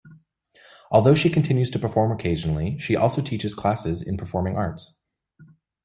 Although she continues to perform occasionally, she also teaches classes in performing arts.